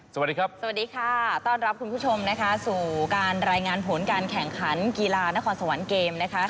สวัสดีครับสวัสดีค่ะต้อนรับคุณผู้ชมนะคะสู่การรายงานผลการแข่งขันกีฬานครสวรรค์เกมนะคะ